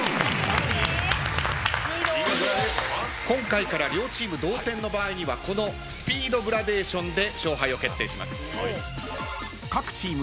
今回から両チーム同点の場合にはこのスピードグラデーションで勝敗を決定します。